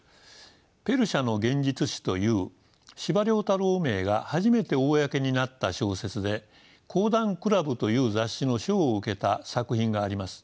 「ペルシャの幻術師」という司馬太郎名が初めて公になった小説で「講談倶楽部」という雑誌の賞を受けた作品があります。